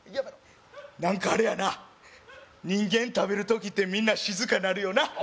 何かあれやな人間食べる時ってみんな静かなるよな